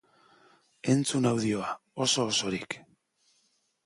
Entzun audioa, oso-osorik!